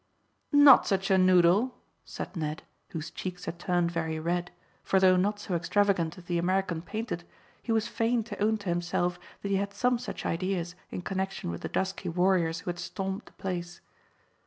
"Not such a noodle," said Ned, whose cheeks had turned very red, for though not so extravagant as the American painted, he was fain to own to himself that he had some such ideas in connection with the dusky warriors who had stormed the place.